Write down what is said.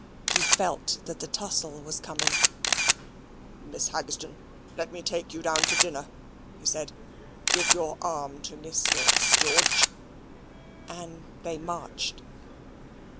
He felt that the tussle was coming. "Mrs. Haggistoun, let me take you down to dinner," he said. "Give your arm to Miss Swartz, George," and they marched.